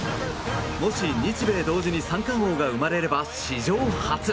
もし、日米同時に三冠王が生まれれば史上初。